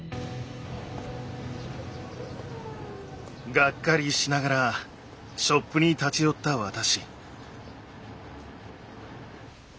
がっかりしながらショップに立ち寄った私。